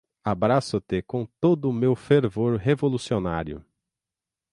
Abraço-te com todo o meu fervor revolucionário.